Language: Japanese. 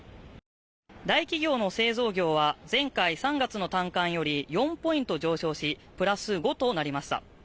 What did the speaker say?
大企業の製造業は、前回３月の短観より４ポイント上昇し、プラス５となりました。